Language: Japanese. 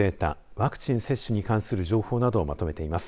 ワクチン接種に関する情報などをまとめています。